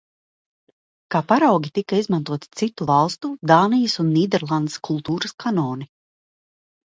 Kā paraugi tika izmantoti citu valstu – Dānijas un Nīderlandes kultūras kanoni.